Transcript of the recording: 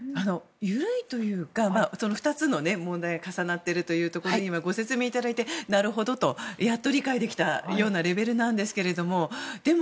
緩いというか２つの問題が重なっているというところでご説明いただいてなるほどと、やっと理解できたレベルなんですけれども。